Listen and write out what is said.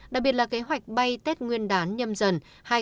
đặc biệt là kế hoạch bay tết nguyên đán nhâm dần hai nghìn hai mươi